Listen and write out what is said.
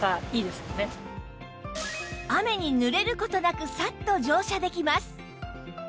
雨にぬれる事なくサッと乗車できます